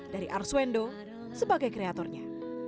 dari arswendo sebagai kreatornya